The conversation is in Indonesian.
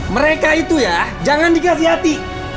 mereka itu ya jangan diganti hati